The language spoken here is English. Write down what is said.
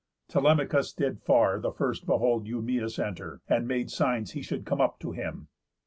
Telemachus did far the first behold Eumæus enter, and made signs he should Come up to him.